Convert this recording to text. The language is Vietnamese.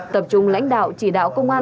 tập trung lãnh đạo chỉ đạo công an